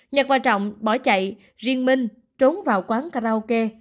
nhật và trọng bỏ chạy riêng minh trốn vào quán karaoke